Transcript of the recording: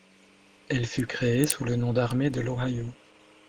Elle fut créée sous le nom d'Armée de l'Ohio.